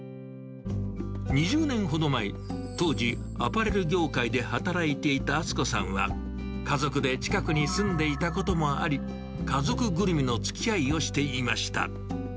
２０年ほど前、当時、アパレル業界で働いていた温子さんは、家族で近くに住んでいたこともあり、家族ぐるみのつきあいをしていました。